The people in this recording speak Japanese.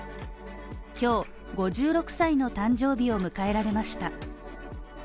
今日、５６歳の誕生日を迎えられました。